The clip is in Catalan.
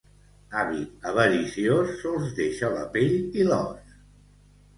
Avi avariciós sols deixa la pell i l'os.